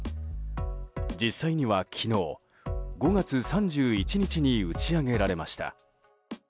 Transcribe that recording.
実際には、昨日５月３１日に打ち上げられました。